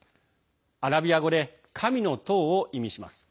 アラビア語で神の党を意味します。